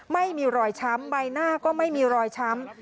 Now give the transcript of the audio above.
ไม่มีรอยช้ำใบหน้าก็ไม่มีรอยช้ำ